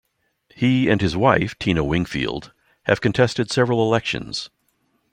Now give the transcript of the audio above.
He and his wife, Tina Wingfield, have contested several elections.